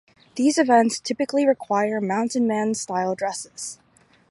These events typically require mountain man style dress.